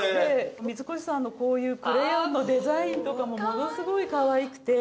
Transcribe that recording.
三越さんのこういうクレヨンのデザインとかもものすごいかわいくて。